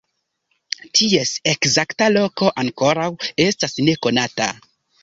Ties ekzakta loko ankoraŭ estas nekonata.